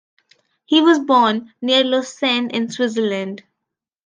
He was born near Lausanne in Switzerland.